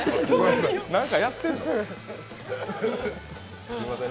何かやってるの？！